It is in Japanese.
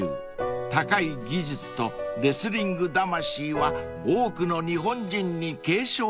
［高い技術とレスリング魂は多くの日本人に継承されました］